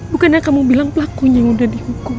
bukannya kamu bilang pelakunya udah dihukum